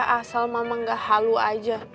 asal mama gak halu aja